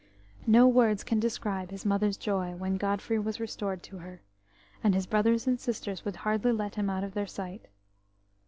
No words can describe his mother's joy when Godfrey was restored to her, and his brothers and sisters would hardly let him out of their sight.